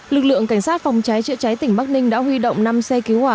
lực lượng cảnh sát phòng cháy chữa cháy tỉnh bắc ninh đã huy động năm xe cứu hỏa